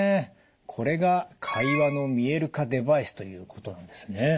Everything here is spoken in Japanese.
これが会話の見える化デバイスということなんですね。